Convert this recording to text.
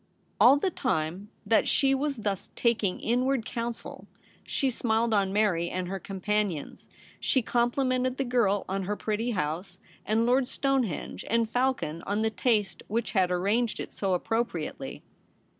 All the time that she was thus taking in ward counsel, she smiled on Mary and her companions ; she complimented the girl on her pretty house, and Lord Stonehenge and Falcon on the taste which had arranged it MARYS RECEPTION. 261 SO appropriately.